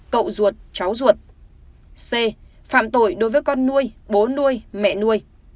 c phạm tội đối với con nuôi bố nuôi mẹ nuôi